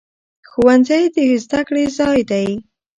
ښوونځی د زده کړې ځای دی